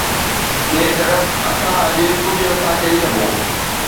ٻئي طرف اسان اڄ ڪجهه نٿا چئي سگهون